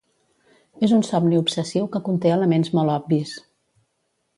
És un somni obsessiu que conté elements molt obvis.